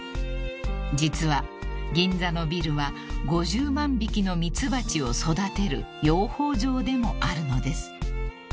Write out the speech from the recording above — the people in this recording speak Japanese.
［実は銀座のビルは５０万匹の蜜蜂を育てる養蜂場でもあるのです］